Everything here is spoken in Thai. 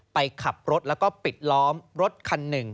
ไปขับรถแล้วก็ปิดล้อมรถคันหนึ่ง